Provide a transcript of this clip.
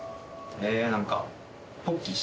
え何か。